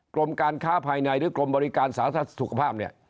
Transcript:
กรมการค้าภายในหรือกรมบริการสาธารณสุขภาพเนี่ย